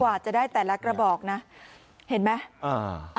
จะได้แต่ละกระบอกนะเห็นไหมอ่า